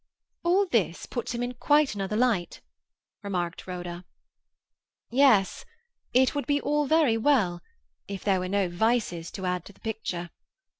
"All this puts him in quite another light," remarked Rhoda. "Yes, it would be all very well, if there were no vices to add to the picture.